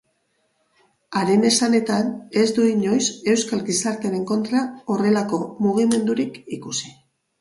Haren esanetan, ez du inoiz euskal gizartearen kontra horrelako mugimendurik ikusi.